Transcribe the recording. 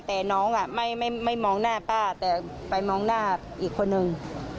แต่น้องไม่มองหน้าป้าแต่ไปมองหน้าอีกคนนึง